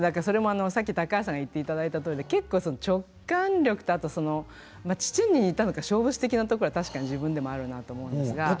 それもさっき高橋さんが言っていただいたとおりで結構直感力とあとその父に似たのか勝負師的なところは確かに自分でもあるなと思うんですが。